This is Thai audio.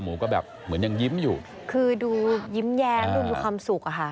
รักรุ่นคือความสุขอะคะ